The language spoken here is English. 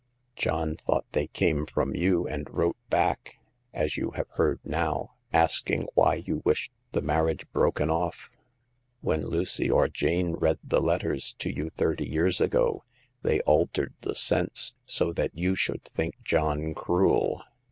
John thought they came from you, and wrote back — as you have heard now— zsking why you wished the marriage broken off. When Lucy or Jane read the letters to you thirty years ago, they altered the sense so that you should think John cruel.